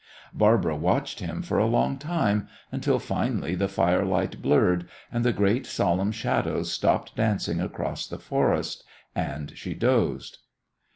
Barbara watched him for a long time, until finally the firelight blurred, and the great, solemn shadows stopped dancing across the forest, and she dozed.